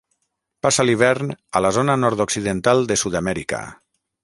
Passa l'hivern a la zona nord-occidental de Sud-amèrica.